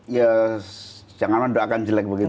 ya jangan mendoakan jelek begitu